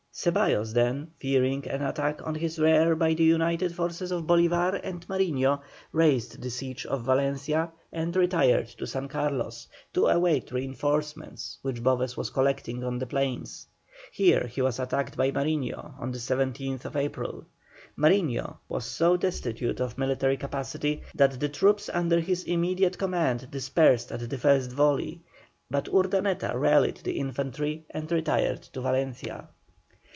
Ceballos then, fearing an attack on his rear by the united forces of Bolívar and Mariño, raised the siege of Valencia and retired to San Carlos, to await reinforcements which Boves was collecting on the plains. Here he was attacked by Mariño on the 17th April. Mariño was so destitute of military capacity that the troops under his immediate command dispersed at the first volley, but Urdaneta rallied the infantry and retired to Valencia.